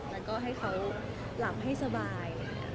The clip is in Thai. แล้วก็ให้เขาหลับให้สบาย